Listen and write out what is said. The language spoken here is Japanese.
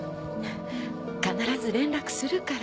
必ず連絡するから。